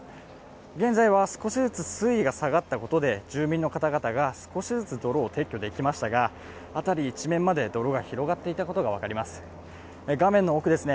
現在は少しずつ水位が下がったことで住民の方々が少しずつ泥を撤去できましたが辺り一面まで泥が広がっていたことが分かります。